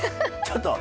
ちょっと！